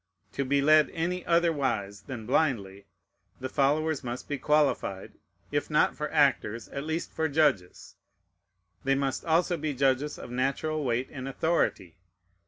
To be led any otherwise than blindly, the followers must be qualified, if not for actors, at least for judges; they must also be judges of natural weight and authority.